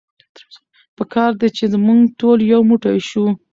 په کار ده چې مونږ ټول يو موټی شو.